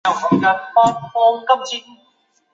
这也是齐达内最后的幕前演出。